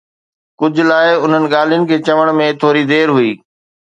ڪجھ لاءِ، انھن ڳالھين کي چوڻ ۾ ٿوري دير ھئي.